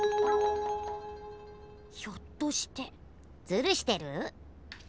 ひょっとしてずるしてる？